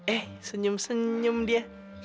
eh senyum senyum dia